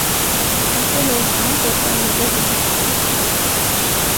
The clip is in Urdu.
ایسے لوگ عام طور پر نظر نہیں آتے